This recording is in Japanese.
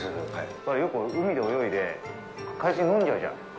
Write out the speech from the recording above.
よく海で泳いで海水を飲んじゃうじゃん？